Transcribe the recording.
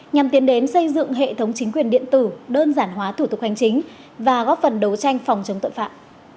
nhằm tiến đến xây dựng hệ thống chính quyền điện tử đơn giản hóa thủ tục hành chính và góp phần đấu tranh phòng chống tội phạm